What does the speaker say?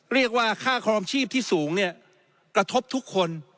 เรียกว่าค่าครองชีพที่สูงเนี่ยกระทบทุกคน